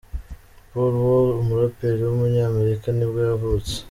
Paul Wall, umuraperi w’umunyamerika nibwo yavutse.